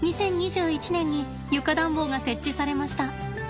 ２０２１年に床暖房が設置されました。